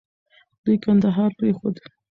دوی کندهار پرېښود.